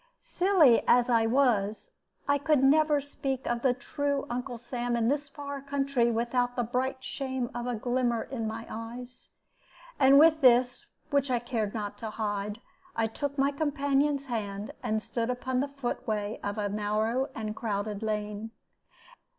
Silly as I was, I could never speak of the true Uncle Sam in this far country without the bright shame of a glimmer in my eyes; and with this, which I cared not to hide, I took my companion's hand and stood upon the footway of a narrow and crowded lane.